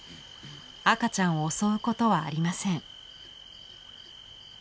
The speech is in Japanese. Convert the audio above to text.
赤ちゃんを襲うことはありません。